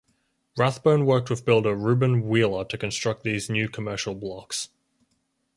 Rathbone worked with builder Reuben Wheeler to construct these new commercial blocks.